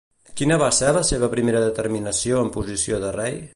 Quina va ser la seva primera determinació en posició de rei?